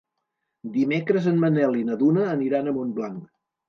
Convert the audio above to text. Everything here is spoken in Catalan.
Dimecres en Manel i na Duna aniran a Montblanc.